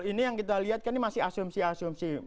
ini yang kita lihat kan ini masih asumsi asumsi